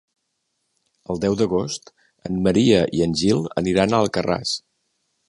El deu d'agost en Maria i en Gil aniran a Alcarràs.